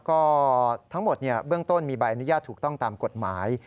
ก็ทั้งหมดเบื้องต้นมีใบอนุญาตถูกต้องตามกฎหมาย